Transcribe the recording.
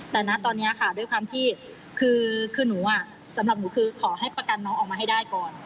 แต่นะตอนนี้ค่ะด้วยความที่คือหนูสำหรับหนูคือขอให้ประกันน้องออกมาให้ได้ก่อน